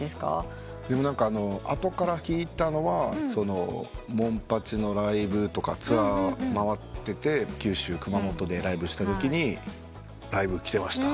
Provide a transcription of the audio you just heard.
後から聞いたのはモンパチのライブとかツアー回ってて九州熊本でライブしたときに「ライブ来てました。